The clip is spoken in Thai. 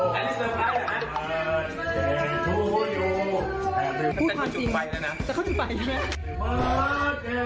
ไปเวียนเทียนบ้าอะไรไม่ใช่เค้าบอกปัญหาแล้ว